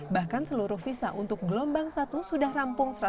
bahkan seluruh visa untuk gelombang satu sudah rampung